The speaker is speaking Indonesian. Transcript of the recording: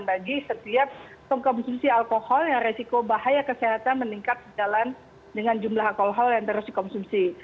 bagi setiap pengkonsumsi alkohol yang resiko bahaya kesehatan meningkat sejalan dengan jumlah alkohol yang terus dikonsumsi